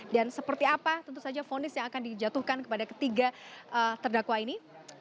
dan seperti apa tentu saja vonis yang akan dijatuhkan kepada ketiga terdakwa ini